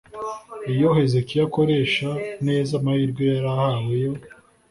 iyo hezekiya akoresha neza amahirwe yari ahawe yo